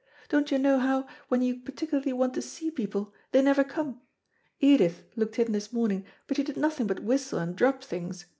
Don't you know how, when you particularly want to see people; they never come. Edith looked in this morning, but she did nothing but whistle and drop things.